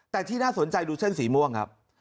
แต่ที่น่าสนใจดูเส้นสีม่วงครับ